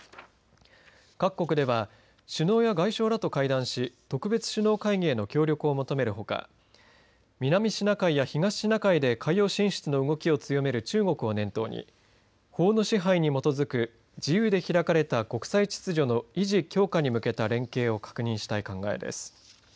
各国では首脳や外相らと会談し特別首脳会議への協力を求めるほか南シナ海や東シナ海で海洋進出の動きを強める中国を念頭に、法の支配に基づく自由で開かれた国際秩序の維持・強化に向けた連携を確認したい考えです。